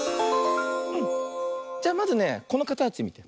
じゃあまずねこのかたちみて。